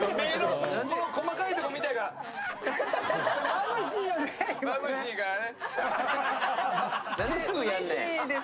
まぶしいからね。